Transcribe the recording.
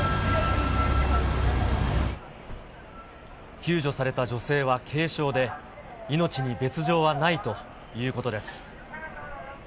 救助された女性は軽傷で、命に別状はないということです。